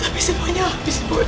tapi semuanya habis bud